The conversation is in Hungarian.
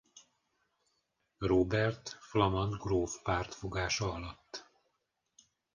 Róbert flamand gróf pártfogása alatt.